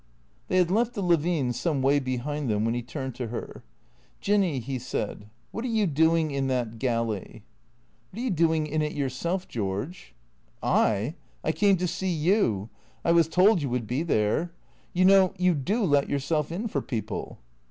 They had left the Levines' some way behind them when he turned to her. " Jinny," he said, " what are you doing in that galley ?" "What are you doing in it yourself, George?" " I ? I came to see you. I was told you would be there. You know, you do let yourself in for people."